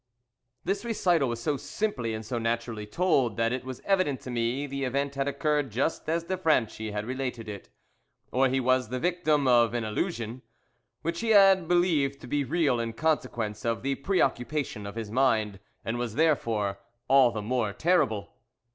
This recital was so simply and so naturally told, that it was evident to me the event had occurred just as de Franchi had related it, or he was the victim of an illusion, which he had believed to be real in consequence of the pre occupation of his mind, and was therefore all the more terrible.